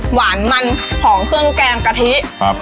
หวานมันของเครื่องแกงกะทิครับ